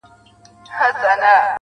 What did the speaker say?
پرېږده د مينې کاروبار سره خبرې کوي